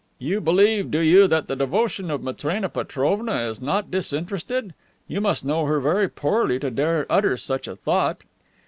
"You believe, do you, that the devotion of Matrena Petrovna is not disinterested. You must know her very poorly to dare utter such a thought."